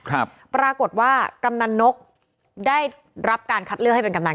ครับปรากฏว่ากำนันนกได้รับการคัดเลือกให้เป็นกำนัน